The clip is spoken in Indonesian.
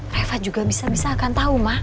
reva juga bisa bisa akan tau mah